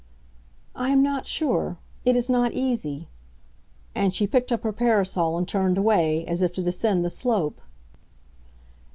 "I am not sure; it is not easy." And she picked up her parasol and turned away, as if to descend the slope.